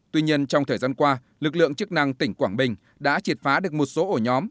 tuy nhiên trong thời gian qua lực lượng chức năng tỉnh quảng bình đã triệt phá được một số ổ nhóm